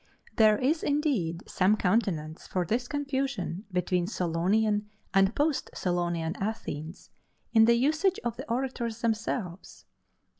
There is indeed some countenance for this confusion between Solonian and post Solonian Athens, in the usage of the orators themselves.